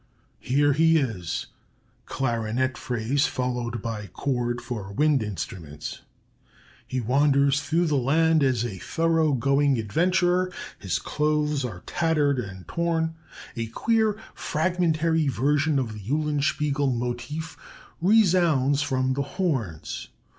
"Here he is (clarinet phrase followed by chord for wind instruments). He wanders through the land as a thorough going adventurer. His clothes are tattered and torn: a queer, fragmentary version of the 'Eulenspiegel' motive resounds from the horns....